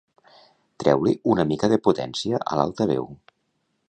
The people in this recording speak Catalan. Treu-li una mica de potència a l'altaveu.